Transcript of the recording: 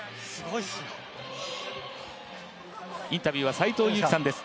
インタビューは斎藤佑樹さんです。